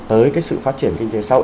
tới cái sự phát triển kinh tế sau